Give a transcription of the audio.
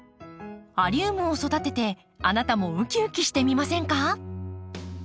アリウムを育ててあなたもウキウキしてみませんか？